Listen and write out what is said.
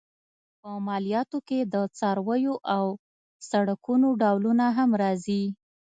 په مالیاتو کې د څارویو او سړکونو ډولونه هم راځي.